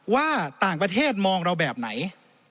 ว่าต่างประเทศมองเราแบบไหน